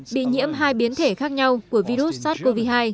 bị nhiễm hai biến thể khác nhau của virus sars cov hai